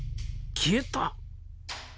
消えた？